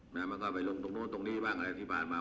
มันก็ไปลงตรงนู้นตรงนี้บ้างอะไรที่ผ่านมา